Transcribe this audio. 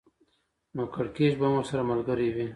نو کړکېچ به هم ورسره ملګری وي